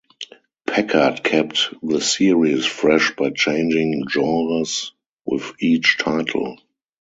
Packard kept the series fresh by changing genres with each title.